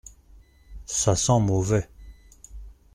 Ça sent mauvais.